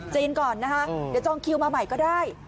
จีนก่อนนะคะเดี๋ยวจองคิวมาใหม่ก็ได้